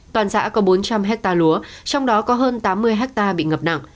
toàn xã có bốn trăm linh ha lúa trong đó có hơn tám mươi ha bị ngập nặng